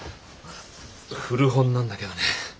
古本なんだけどね。